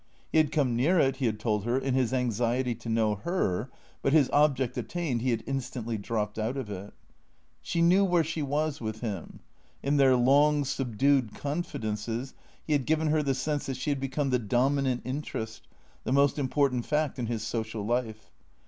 He had come near it, he had told her, in his anxiety to know her, but his object attained, he had instantly dropped out of it. She knew where she was with him. In their long, subdued confidences he had given her the sense that she had become the dominant interest, the most important fact in his social life.